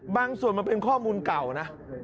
ส่วนมันเป็นข้อมูลเก่านะ